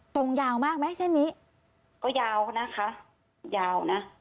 ตรงยาวมากไหมเส้นนี้ก็ยาวนะคะยาวนะ